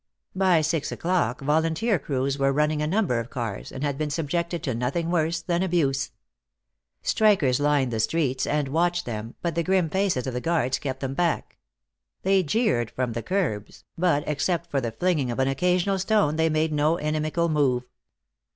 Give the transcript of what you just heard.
By six o'clock volunteer crews were running a number of cars, and had been subjected to nothing worse than abuse. Strikers lined the streets and watched them, but the grim faces of the guards kept them back. They jeered from the curbs, but except for the flinging of an occasional stone they made no inimical move.